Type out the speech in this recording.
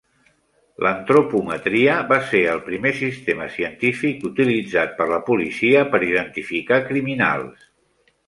L'antropometria va ser el primer sistema científic utilitzat per la policia per identificar criminals.